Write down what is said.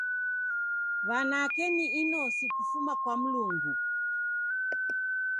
Wanake ni inosi kufuma kwa mlungu.